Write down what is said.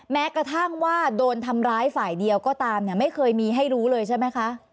แม้กระทั่งว่าโดนทำร้ายฝ่ายเดียวก็ตามเนี่ยไม่เคยมีให้รู้เลยใช่ไหมคะ